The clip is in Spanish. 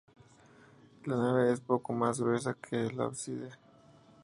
La nave es poco más gruesa que el ábside.